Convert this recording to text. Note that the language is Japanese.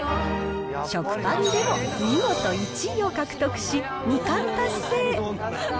食パンでも見事１位を獲得し、２冠達成。